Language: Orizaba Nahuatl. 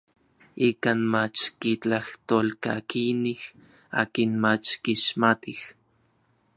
Ikan mach kitlajtolkakinij akin mach kixmatij.